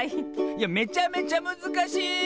いやめちゃめちゃむずかしい！